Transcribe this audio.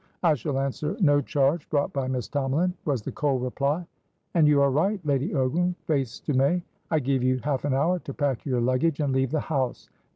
"I shall answer no charge brought by Miss Tomalin," was the cold reply. "And you are right." Lady Ogram faced to May. "I give you half an hour to pack your luggage and leave the house!